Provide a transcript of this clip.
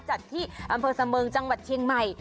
จัดที่อำเภอเสมิงจังหวัดเชียงใหม่